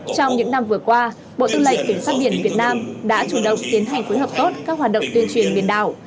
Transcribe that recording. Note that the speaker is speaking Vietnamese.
trong những năm vừa qua bộ tư lệnh cảnh sát biển việt nam đã chủ động tiến hành phối hợp tốt các hoạt động tuyên truyền biển đảo